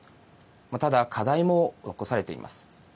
ただ、課題も残されています。